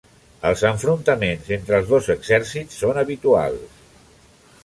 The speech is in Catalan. Els enfrontaments entre els dos exèrcits són habituals.